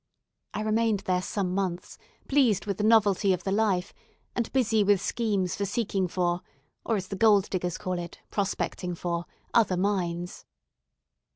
I remained there some months, pleased with the novelty of the life, and busy with schemes for seeking for or, as the gold diggers call it, prospecting for other mines.